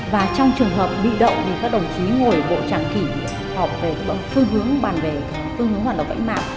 và trong trường hợp bị động thì các đồng chí ngồi bộ trạng kỷ họp về phương hướng bàn về phương hướng hoạt động vệ sinh mạng